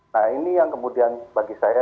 nah ini yang kemudian bagi saya